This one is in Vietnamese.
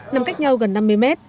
nằm cách nhau gần năm mươi mét